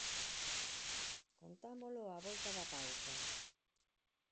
Contámolo á volta da pausa.